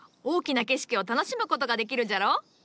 大きな景色を楽しむことができるじゃろう？